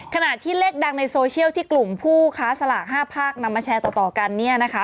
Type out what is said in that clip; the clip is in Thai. ขณะที่เลขดังในโซเชียลที่กลุ่มผู้ค้าสลาก๕ภาคนำมาแชร์ต่อกันเนี่ยนะคะ